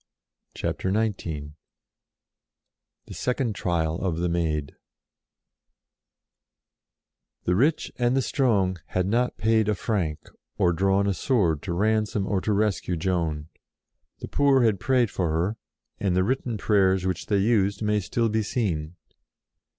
CHAPTER XIX THE SECOND TRIAL OF THE MAID n^HE rich and the strong had not paid ^ a franc, or drawn a sword to ransom or to rescue Joan. The poor had prayed for her, and the written prayers which they used may still be seen.